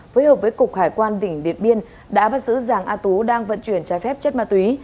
phối hợp với cục hải quan tỉnh điện biên đã bắt giữ giàng a tú đang vận chuyển trái phép chất ma túy